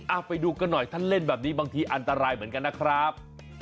ไปดูกันหน่อยถ้าเล่นแบบนี้บางทีอันตรายเหมือนกันนะครับ